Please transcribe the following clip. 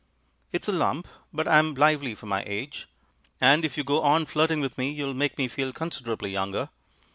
It's a lump, but I'm lively for my age and if you go on flirting with me you'll make me feel considerably younger.